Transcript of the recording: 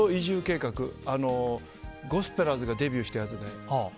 ゴスペラーズがデビューしたやつだよ。